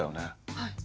はい。